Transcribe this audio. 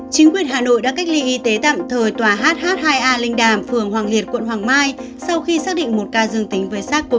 chính quyền hà nội đã cách ly y tế tạm thời tòa hh hai a linh đàm phường hoàng liệt quận hoàng mai sau khi xác định một ca dương tính với sars cov hai